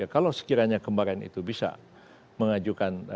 kalau sekiranya kemarin itu bisa mengajukan